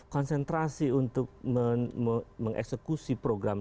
konsentrasi untuk mengeksekusi programnya